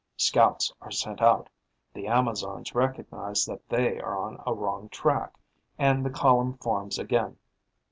Scouts are sent out; the Amazons recognize that they are on a wrong track; and the column forms again.